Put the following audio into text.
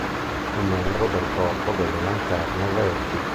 Fu un membro del Corpo delle Lanterne Verdi.